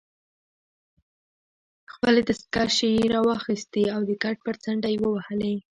خپلې دستکشې يې راواخیستې او د کټ پر څنډه ېې ووهلې.